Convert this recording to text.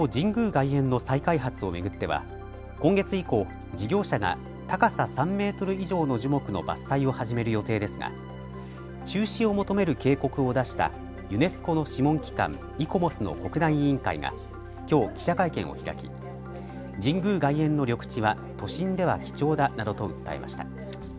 外苑の再開発を巡っては今月以降、事業者が高さ３メートル以上の樹木の伐採を始める予定ですが中止を求める警告を出したユネスコの諮問機関イコモスの国内委員会がきょう記者会見を開き神宮外苑の緑地は都心では貴重だなどと訴えました。